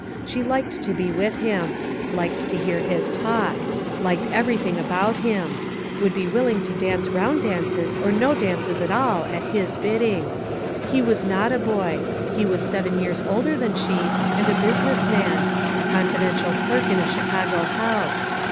She liked to be with him ; liked to hear his talk ; liked everything about him ; would be willing to dance round dances, or no dances at all, at his bidding. He was not a boy. He was seven years older than she, and a business man — a confidential clerk in a Chicago house.